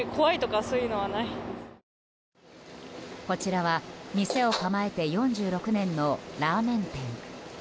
こちらは、店を構えて４６年のラーメン店。